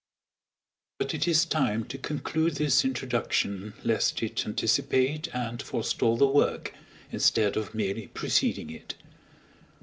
But it is time to conclude this introduction lest it anticipate and forestall the work, instead of merely preceding it.